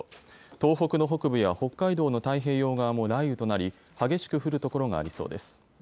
東北の北部や北海道の太平洋側も雷雨となり、激しく降る所がありそうです。